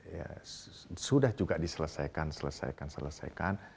ya sudah juga diselesaikan selesaikan selesaikan